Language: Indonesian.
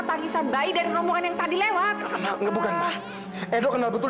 aduh kamu tuh jangan ngeel